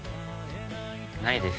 ないです。